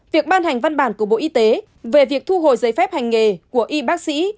việc ban hành văn bản của bộ y tế về việc thu hồi giấy phép hành nghề của y bác sĩ